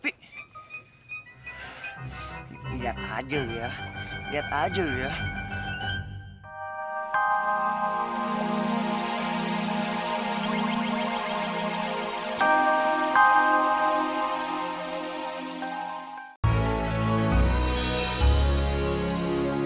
lihat aja lu ya lihat aja lu ya